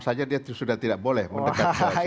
saja dia sudah tidak boleh mendekat